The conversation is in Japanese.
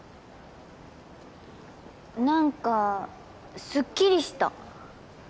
何かすっきりした。